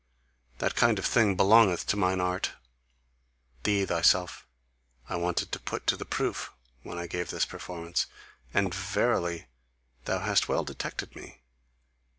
That kind of thing belongeth to mine art. Thee thyself, I wanted to put to the proof when I gave this performance. And verily, thou hast well detected me!